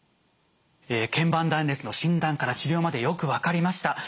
腱板断裂の診断から治療までよく分かりました。